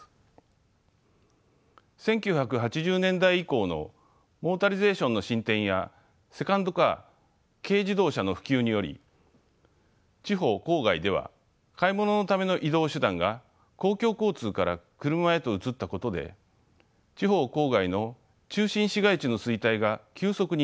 １９８０年代以降のモータリゼーションの進展やセカンドカー軽自動車の普及により地方郊外では買い物のための移動手段が公共交通から車へと移ったことで地方郊外の中心市街地の衰退が急速に進みました。